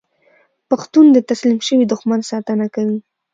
پښتون د تسلیم شوي دښمن ساتنه کوي.